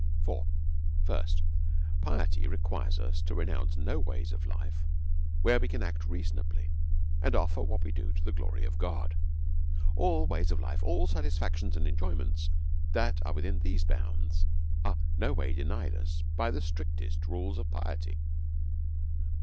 For, Ist, Piety requires us to renounce no ways of life, where we can act reasonably, and offer what we do to the glory of God. All ways of life, all satisfac tions and enjoyments that are within these bounds, are no way denied us by the strictest rules of piety.